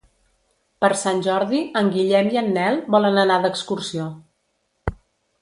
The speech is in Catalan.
Per Sant Jordi en Guillem i en Nel volen anar d'excursió.